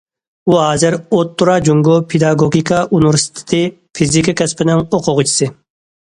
ئۇ ھازىر ئوتتۇرا جۇڭگو پېداگوگىكا ئۇنىۋېرسىتېتى فىزىكا كەسپىنىڭ ئوقۇغۇچىسى.